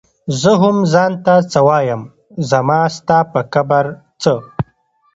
زۀ هم ځان ته څۀ وايم زما ستا پۀ کبر څۀ